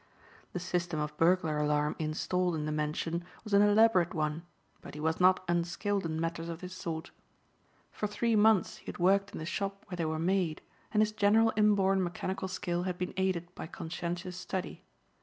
The system of burglar alarm installed in the mansion was an elaborate one but he was not unskilled in matters of this sort. For three months he had worked in the shop where they were made and his general inborn mechanical skill had been aided by conscientious study.